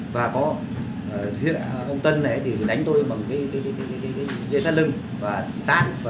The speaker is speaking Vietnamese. và có ông tân này đánh tôi bằng cái thắt lưng và tán và đấm